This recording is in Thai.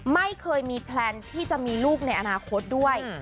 ไม่เคยมีแพลนที่จะมีลูกในอนาคตด้วย